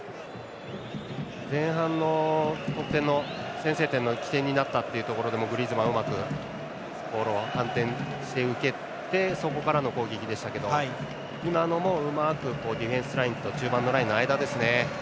前半の得点の先制点の起点になったというところでもグリーズマンうまくボールを反転して受けてそこからの攻撃でしたけど今のもうまくディフェンスラインと中盤のラインの間ですね。